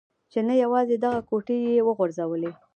چې نه یوازې دغه کوټې يې و غورځولې.